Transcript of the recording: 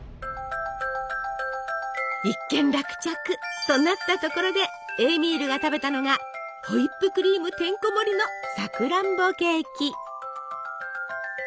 一件落着となったところでエーミールが食べたのがホイップクリームてんこもりのさくらんぼケーキ！